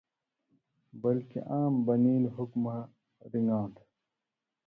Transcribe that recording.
بلکے عام بنېل حُکمہ رِن٘گاں تھہۡ۔